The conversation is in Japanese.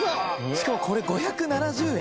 しかもこれ５７０円？